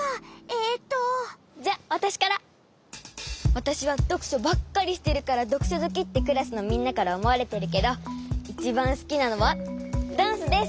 わたしはどくしょばっかりしてるからどくしょずきってクラスのみんなからおもわれてるけどいちばんすきなのはダンスです！